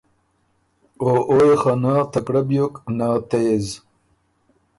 او او يې خه نۀ تکړۀ بیوک، نۀ تېز۔